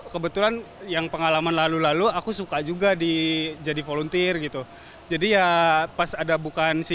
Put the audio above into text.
kebetulan yang pengalaman lalu lalu aku suka juga di jadi volunteer gitu jadi ya pas ada bukan si